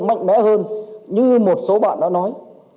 mạnh mẽ hơn như một số bạn đã nói